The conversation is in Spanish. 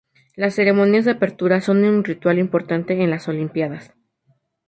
Las ceremonias de apertura son un ritual importante en las Olimpiadas.